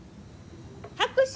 拍手！